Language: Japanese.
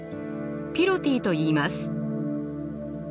ピロティといいます。